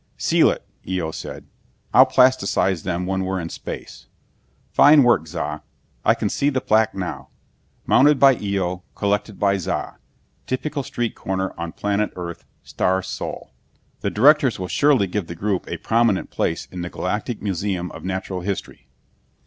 "Seal it," Eo said. "I'll plasticize them when we're in space. Fine work, Za. I can see the plaque now: 'Mounted by Eo, Collected by Za. Typical Street Corner on Planet Earth, Star Sol.' The directors will surely give the group a prominent place in the Galactic Museum of Natural History!"